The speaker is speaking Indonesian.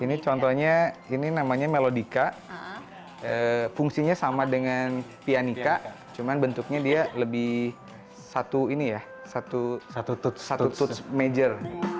ini contohnya ini namanya melodica fungsinya sama dengan pianica cuman bentuknya dia lebih satu ini ya satu toots major